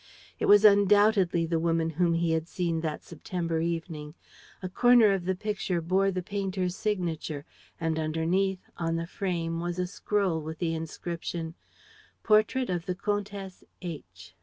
It was undoubtedly the woman whom he had seen that September evening. A corner of the picture bore the painter's signature; and underneath, on the frame, was a scroll with the inscription: Portrait of the Comtesse H.